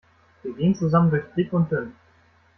Wir gehen zusammen durch dick und dünn.